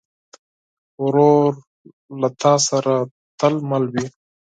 ورور له تا سره تل مل وي.